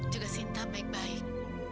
juga sinta baik baik